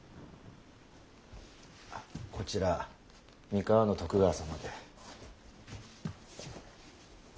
こちら三河の徳川様で。